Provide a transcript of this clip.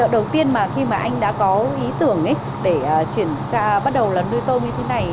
đầu tiên mà khi mà anh đã có ý tưởng để chuyển bắt đầu là nuôi tôm như thế này